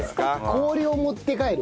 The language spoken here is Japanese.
氷を持って帰る？